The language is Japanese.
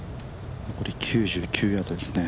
残り９９ヤードですね。